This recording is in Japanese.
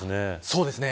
そうですね。